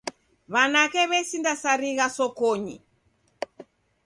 W'anake w'esindasarigha sokonyi.